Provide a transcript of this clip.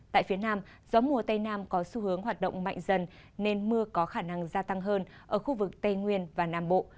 tại phía nam gió mùa tây nam có xu hướng hoạt động mạnh dần nên mưa có khả năng gia tăng hơn ở khu vực tây nguyên và nam bộ